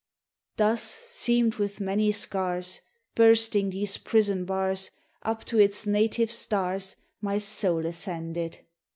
' Thus, seamed with many scars, Bursting these prison bars, Up to its native stars My soul ascended!